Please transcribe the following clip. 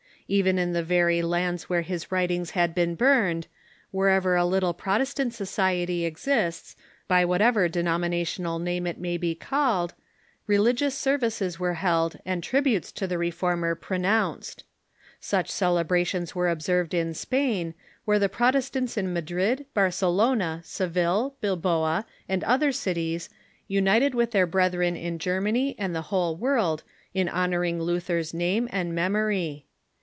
Even in the very lands where his writings had been burned, wherever a little Prot estant society exists, by whatever denominational name it may be called, religioiis services were held and tributes to the Reformer pronounced. Such celebrations were observed in Spain, where the Protestants in Madrid, Barcelona, Seville, Bilboa, and other cities united with their brethren in Ger many and the whole world in honoring Luther's name and memory.